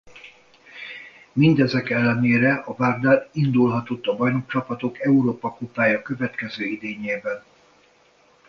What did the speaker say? Mindezek ellenére a Vardar indulhatott a Bajnokcsapatok Európa-kupája következő idényében.